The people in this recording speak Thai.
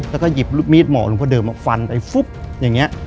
แล้วก็หยิบมีดหมอหลวงพ่อเดิมมาฟันไปฟุ๊บอย่างนี้